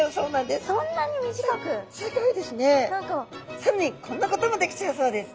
さらにこんなこともできちゃうそうです。